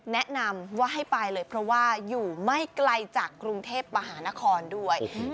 แนะนำว่าให้ไปเลยเพราะว่าอยู่ไม่ไกลจากกรุงเทพมหานครด้วย